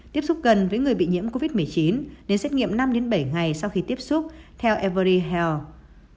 tiếp xúc gần với người bị nhiễm covid một mươi chín nên xét nghiệm năm đến bảy ngày sau khi tiếp xúc theo every health